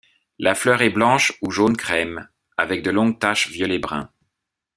La fleur est blanche ou jaune-crème avec de longues taches violet-brun.